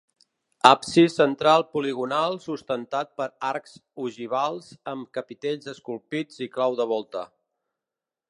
Absis central poligonal sustentat per arcs ogivals amb capitells esculpits i clau de volta.